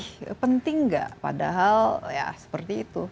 masih penting gak padahal ya seperti itu